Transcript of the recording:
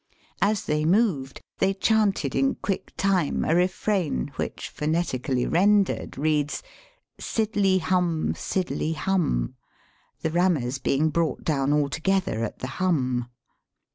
As they moved they chanted in quick time a refrain which, phonetically rendered, reads, *' Sydly hum, Sydly hum," the rammers being brought down altogether at the ^*hum."